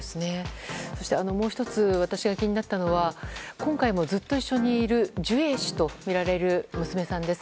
そして、もう１つ私が気になったのは今回もずっと一緒にいるジュエ氏とみられる娘さんです。